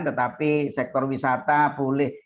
tetapi sektor wisata boleh